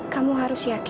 kamu harus siapkan ayah